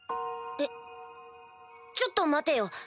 えっちょっと待てよ。